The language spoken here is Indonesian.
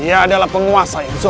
ia adalah penguasa yang zon